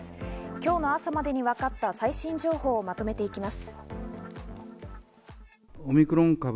今日朝までにわかった最新情報をまとめていきます。